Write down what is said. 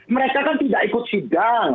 mereka kan tidak ikut sidang